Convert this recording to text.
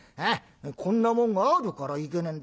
こんなもんがあるからいけねえんだ。